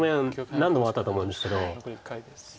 何度もあったと思うんですけど。